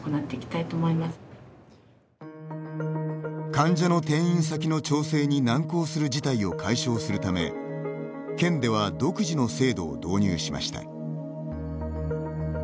患者の転院先の調整に難航する事態を解消するため県では独自の制度を導入しました。